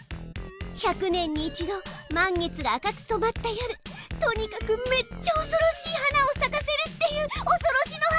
１００年に一度満月が赤く染まった夜とにかくめっちゃおそろしい花をさかせるっていうおそろしの花！